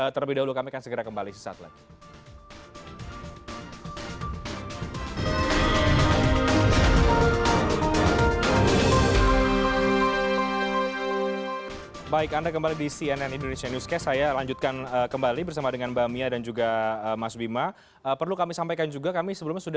terlebih dahulu kami akan segera kembali sesaat lagi